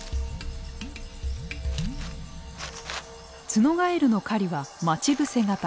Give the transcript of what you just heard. ツノガエルの狩りは待ち伏せ型。